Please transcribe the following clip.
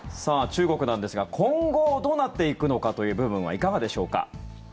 中国なんですが今後、どうなっていくのかという部分はいかがでしょうか。